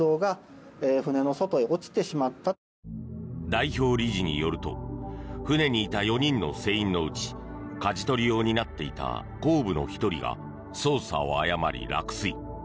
代表理事によると船にいた４人の船員のうちかじ取りを担っていた後部の１人が操作を誤り落水。